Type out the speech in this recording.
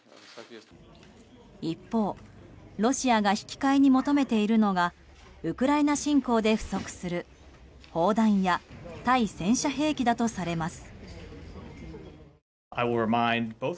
一方、ロシアが引き換えに求めているのはウクライナ侵攻で不足する砲弾や対戦車兵器だとされます。